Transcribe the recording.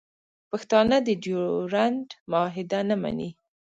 پښتانه د ډیورنډ معاهده نه مني